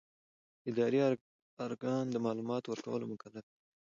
اداري ارګان د معلوماتو ورکولو مکلف دی.